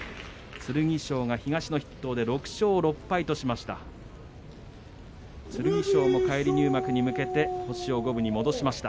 剣翔が東の筆頭で６勝６敗としました。